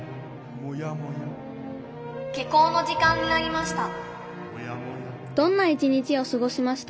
「下校の時間になりました。